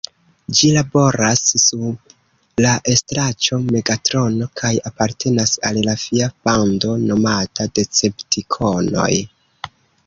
Ĝi laboras sub la estraĉo Megatrono kaj apartenas al la fia bando nomata Deceptikonoj.